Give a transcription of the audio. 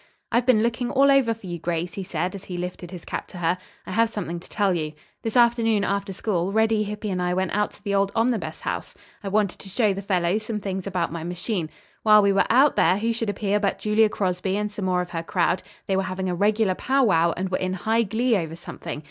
"I've been looking all over for you, Grace," he said, as he lifted his cap to her. "I have something to tell you. This afternoon after school, Reddy, Hippy and I went out to the old Omnibus House. I wanted to show the fellows some things about my machine. While we were out there who should appear but Julia Crosby and some more of her crowd. They were having a regular pow wow and were in high glee over something.